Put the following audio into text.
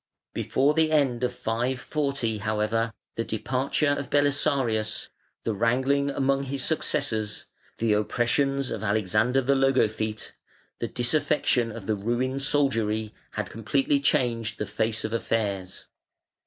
Before the end of 540, however, the departure of Belisarius, the wrangling among his successors, the oppressions of Alexander the Logothete, the disaffection of the ruined soldiery had completely changed the face of affairs.